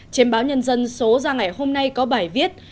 trên báo nhân dân số ra ngày hôm nay có bài viết